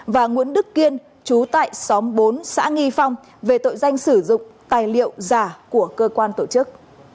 và nguyễn đức kiên chú tại xóm bốn xã nghi phong về tội danh sử dụng tài liệu giả của cơ quan tổ chức